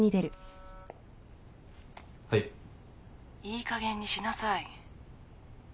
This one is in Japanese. いいかげんにしなさい。